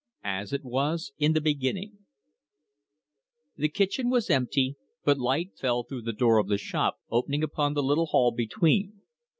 AS IT WAS IN THE BEGINNING The kitchen was empty, but light fell through the door of the shop opening upon the little hall between.